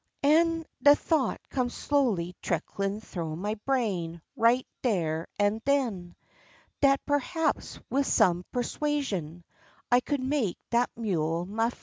An' de thought come slowly tricklin' thoo ma brain right der an' den, Dat, perhaps, wid some persuasion, I could make dat mule ma fren'.